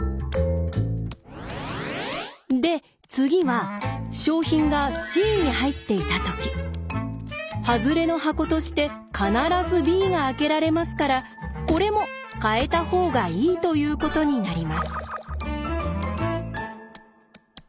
で次は賞品がＣに入っていたときハズレの箱として必ずＢが開けられますからこれも変えた方がいいということになります。